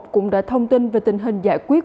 cũng đã thông tin về tình hình giải quyết